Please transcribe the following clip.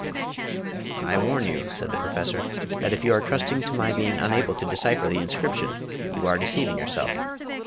"I warn you," said the Professor, "that if you are trusting to my being unable to decipher the inscription, you are deceiving yourself.